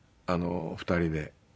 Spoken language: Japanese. ２人で。